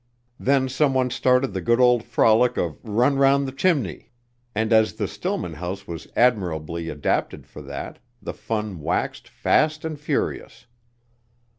Then some one started the good old frolic of run 'round chimney, and as the Stillman house was admirably adapted for that, the fun waxed fast and furious.